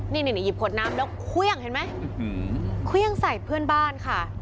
นี่หยิบขวดน้ำแล้วเครื่องเห็นไหมเครื่องใส่เพื่อนบ้านค่ะ